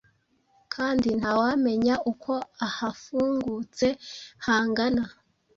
kandi ntawamenya uko ahafungutse hangana